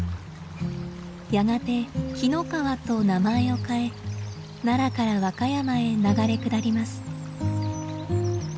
やがて紀の川と名前を変え奈良から和歌山へ流れ下ります。